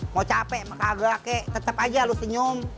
mau capek kagak kek tetep aja lo senyum